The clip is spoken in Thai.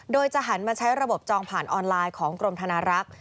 โดยจะหันมาใช้ระบบจองผ่านออนไลน์ของกรมธนารักษ์